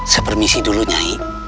saya permisi dulu nyai